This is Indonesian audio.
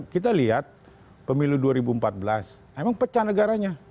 kita lihat pemilu dua ribu empat belas emang pecah negaranya